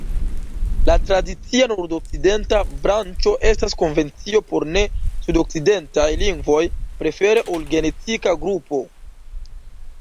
La tradicia nordokcidenta branĉo estas konvencio por ne-sudokcidentaj lingvoj, prefere ol genetika grupo.